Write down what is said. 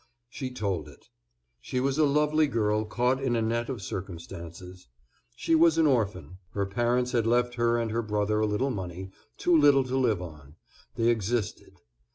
She told it. She was a lovely girl caught in a net of circumstances. She was an orphan. Her parents had left her and her brother a little money—too little to live on—they existed.